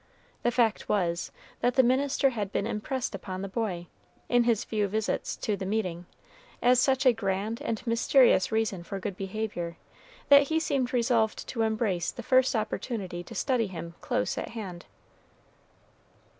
The fact was, that the minister had been impressed upon the boy, in his few visits to the "meeting," as such a grand and mysterious reason for good behavior, that he seemed resolved to embrace the first opportunity to study him close at hand.